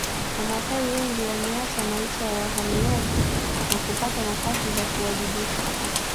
Wamasai wengi wameacha maisha ya wahamaji na kupata nafasi za kuwajibika